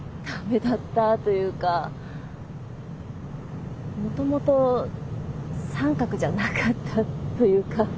ダメだったというかもともと三角じゃなかったというか。